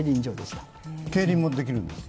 競輪もできるんですか？